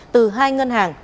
từ hai ngân hàng